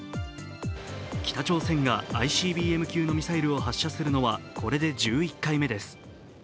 北朝鮮がＩＣＢＭ級のミサイルを発射するのはこれで１１回目です。